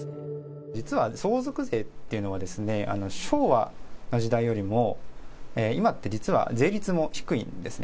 実は相続税っていうのは、昭和の時代よりも、今って実は税率も低いんですね。